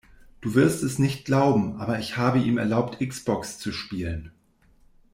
Du wirst es nicht glauben, aber ich habe ihm erlaubt X-Box zu spielen.